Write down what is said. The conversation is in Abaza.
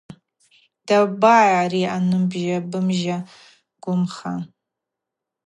Дабагӏай ари анымбжьа-бымбжьа гвымха.